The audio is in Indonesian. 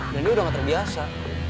dan dia udah gak terbiasa